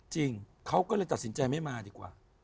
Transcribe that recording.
จริงเขาก็เลยตัดสินใจไม่มาดีกว่า